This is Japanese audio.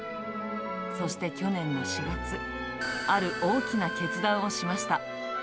そして去年の４月、ある大きな決断をしました。